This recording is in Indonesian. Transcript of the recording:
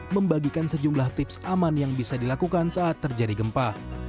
membagikan sejumlah tips aman yang bisa dilakukan saat terjadi gempa